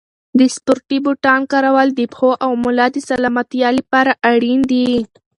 د سپورتي بوټانو کارول د پښو او ملا د سلامتیا لپاره اړین دي.